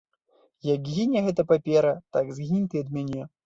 Як гіне гэта папера, так згінь ты ад мяне.